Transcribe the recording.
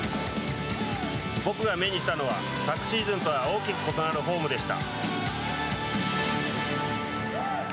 僕が目にしたのは昨シーズンとは大きく異なるフォームでした。